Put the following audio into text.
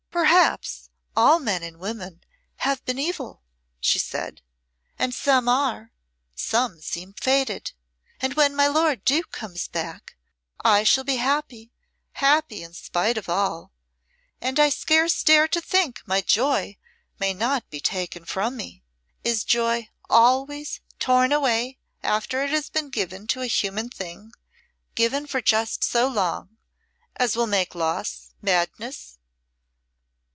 "Perhaps all men and women have been evil," she said, "and some are some seem fated! And when my lord Duke comes back, I shall be happy happy in spite of all; and I scarce dare to think my joy may not be taken from me. Is joy always torn away after it has been given to a human thing given for just so long, as will make loss, madness?"